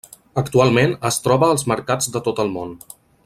Actualment es troba als mercats de tot el món.